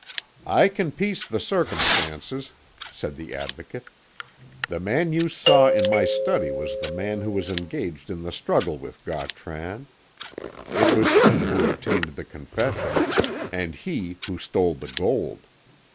"I can piece the circumstances," said the Advocate. "The man you saw in my study was the man who was engaged in the struggle with Gautran. It was he who obtained the confession, and he who stole the gold.